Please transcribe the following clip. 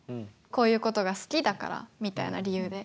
こういうことが好きだからみたいな理由で。